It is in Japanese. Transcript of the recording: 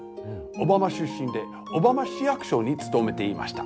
小浜出身で小浜市役所に勤めていました。